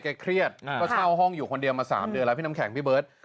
เครียดก็เช่าห้องอยู่คนเดียวมา๓เดือนแล้วพี่น้ำแข็งพี่เบิร์ต